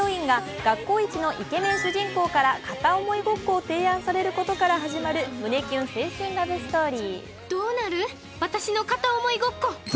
学校一のイケメン主人公から片思いごっこを提案されることから始まる胸キュン青春ラブストーリー。